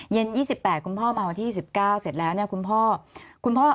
เย็นยี่สิบแปดคุณพ่อมาวันที่สิบเก้าเสร็จแล้วเนี่ยคุณพ่อคุณพ่อ